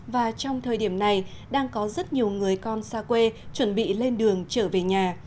và trong thời điểm này đang có rất nhiều người con xa quê chuẩn bị lên đường trở về nhà